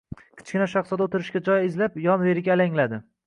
Kichkina shahzoda o‘tirishga joy izlab yon-veriga alangladi.